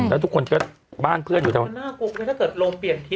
แล้วทุกคนก็บ้านเพื่อนอยู่เท่าไหร่